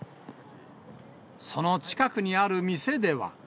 その近くにある店では。